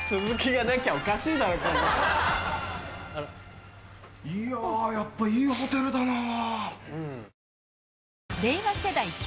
いやぁやっぱいいホテルだなぁ。